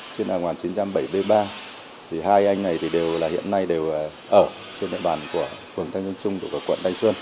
sinh năm một nghìn chín trăm bảy mươi ba hai anh này hiện nay đều ở trên địa bàn của phường thanh nhân trung của quận thanh xuân